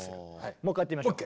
もう一回やってみましょう。